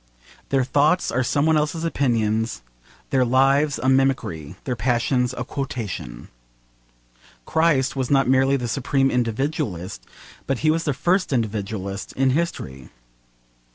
Their thoughts are some one else's opinions, their lives a mimicry, their passions a quotation. Christ was not merely the supreme individualist, but he was the first individualist in history.